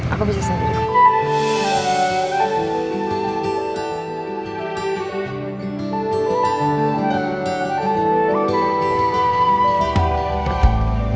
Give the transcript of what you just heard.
aku bisa sendiri